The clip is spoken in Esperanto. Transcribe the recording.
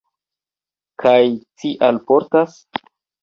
Kaj ci alportas?